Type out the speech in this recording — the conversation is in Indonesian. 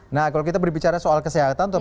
nah kalau kita berbicara soal kesehatan